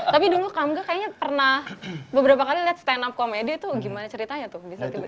tapi dulu kamga kayaknya pernah beberapa kali liat stand up comedy tuh gimana ceritanya tuh